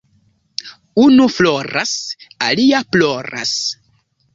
Unu floras, alia ploras.